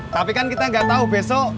tapi kan kita nggak tahu besok